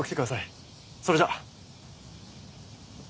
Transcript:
それじゃ。